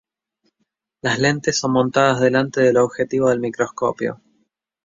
Las lentes son montadas delante del objetivo del microscopio.